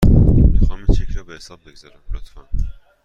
میخواهم این چک را به حساب بگذارم، لطفاً.